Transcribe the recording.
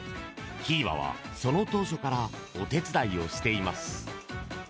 ひーばは、その当初からお手伝いをしています。